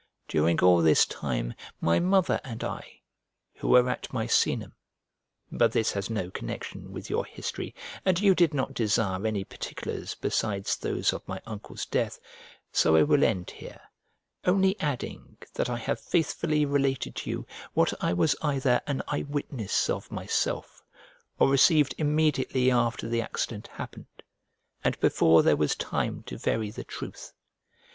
During all this time my mother and I, who were at Miscnum but this has no connection with your history, and you did not desire any particulars besides those of my uncle's death; so I will end here, only adding that I have faithfully related to you what I was either an eye witness of myself or received immediately after the accident happened, and before there was time to vary the truth.